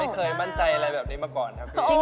เคยมั่นใจอะไรแบบนี้มาก่อนครับพี่